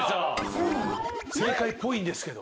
正解っぽいんですけど。